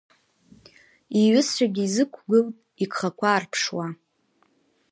Иҩызцәагьы изықәгылт, игхақәа аарԥшуа.